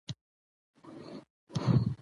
او له هنرونو او علومو يې غوښتنه وکړه،